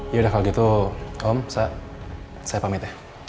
ya udah kalau gitu om sa saya pamit ya